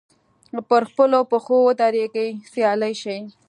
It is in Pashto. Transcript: پر خپلو پښو ودرېږي سیال شي